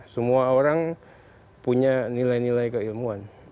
semua orang punya nilai nilai keilmuan